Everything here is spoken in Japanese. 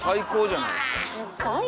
「すっごい！